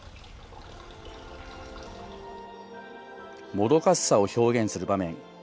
もどかしさを表現する場面。